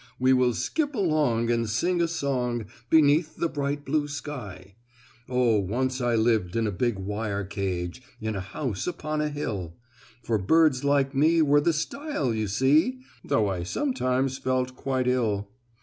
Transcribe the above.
We will skip along and sing a song Beneath the bright blue sky. "Oh, once I lived in a big wire cage, In a house upon a hill. For birds like me were the style you see, Though I sometimes felt quite ill.